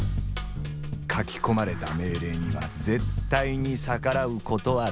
書き込まれた命令には絶対に逆らうことはできない。